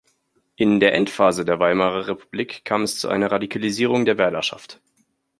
In der Endphase der Weimarer Republik kam es zu einer Radikalisierung der Wählerschaft.